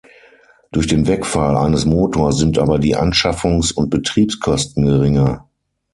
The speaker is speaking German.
Durch den Wegfall eines Motors sind aber die Anschaffungs- und Betriebskosten geringer.